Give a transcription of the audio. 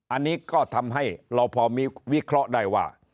อันนี้ก็ทำให้เราพอมีวิเคราะห์ได้ว่า